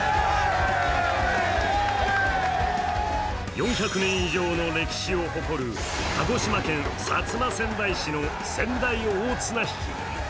４００年以上の歴史を誇る鹿児島県薩摩川内市の川内大綱引。